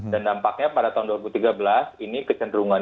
dan dampaknya pada tahun dua ribu tiga belas ini kecenderungan